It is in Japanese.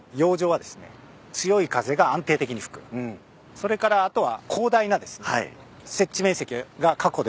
それからあとは。